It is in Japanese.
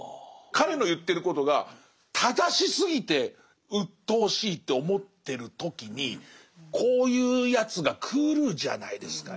彼の言ってることが正しすぎてうっとうしいと思ってる時にこういうやつが来るじゃないですか。